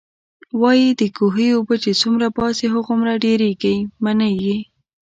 وايي د کوهي اوبه چې څومره باسې، هومره ډېرېږئ. منئ يې؟